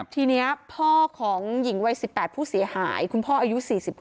ทีนี้พ่อของหญิงวัย๑๘ผู้เสียหายคุณพ่ออายุ๔๖